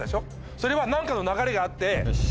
それは何かの流れがあって。